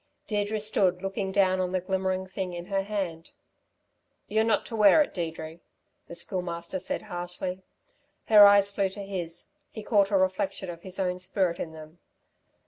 Deirdre stood looking down on the glimmering thing in her hand. "You're not to wear it, Deirdre," the Schoolmaster said harshly. Her eyes flew to his. He caught a reflection of his own spirit in them.